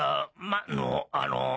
あのあの。